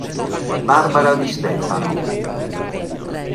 Barbara Di Stefano